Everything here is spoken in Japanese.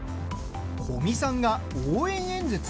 古見さんが応援演説？